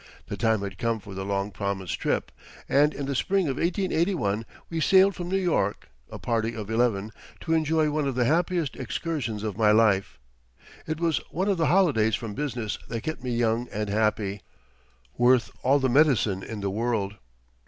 The time had come for the long promised trip, and in the spring of 1881 we sailed from New York, a party of eleven, to enjoy one of the happiest excursions of my life. It was one of the holidays from business that kept me young and happy worth all the medicine in the world.